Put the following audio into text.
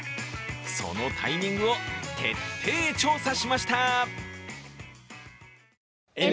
そのタイミングを徹底調査しました。